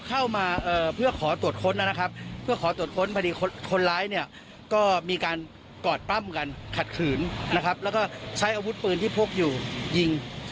เข้ามาเพื่อขอตรวจค้นพอดีคนร้ายก็มีการกอดปั้มกันขัดขืนและใช้อาวุธปืนที่พกอยู่ยิง